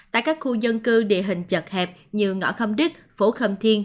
tại các khu dân cư địa hình chật hẹp như ngõ khâm đức phố khâm thiên